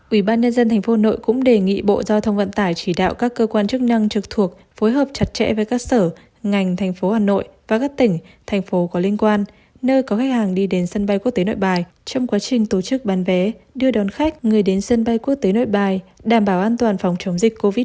ủy ban nhân dân tp hà nội cũng đề nghị bộ giao thông vận tải chỉ đạo các cơ quan chức năng trực thuộc phối hợp chặt chẽ với các sở ngành thành phố hà nội và các tỉnh thành phố có liên quan nơi có khách hàng đi đến sân bay quốc tế nội bài trong quá trình tổ chức bán vé đưa đón khách người đến sân bay quốc tế nội bài đảm bảo an toàn phòng chống dịch covid một mươi chín